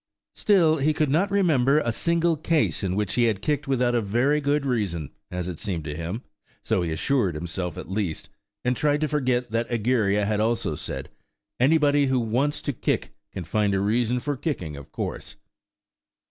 Still, he could not remember a single case in which he had kicked without a very good reason–as it seemed to him–so he assured himself at least, and tried to forget that Egeria had also said, "Anybody who wants to kick can find a reason for kicking, of course!"